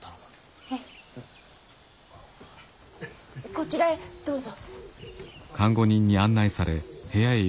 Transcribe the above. こちらへどうぞ。